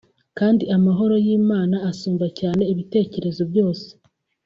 kandi amahoro y’Imana asumba cyane ibitekerezo byose